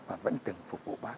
và vẫn từng phục vụ bác